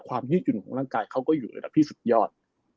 ความที่หยุดของร่างกายเขาก็อยู่ในระดับที่สุดยอด